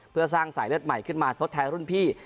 เพื่อสร้างสายเลือดใหม่ขึ้นมาทดแทนรุ่นพี่